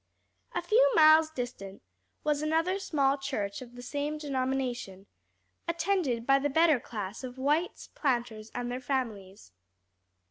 A few miles distant was another small church of the same denomination, attended by the better class of whites; planters and their families.